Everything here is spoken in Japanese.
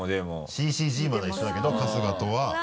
「ＣＣＧ」までは一緒だけど似てます。